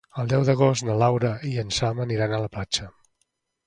El deu d'agost na Laura i en Sam aniran a la platja.